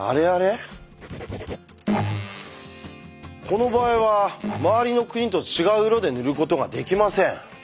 この場合は周りの国と違う色で塗ることができません。